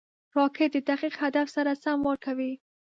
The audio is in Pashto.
راکټ د دقیق هدف سره سم وار کوي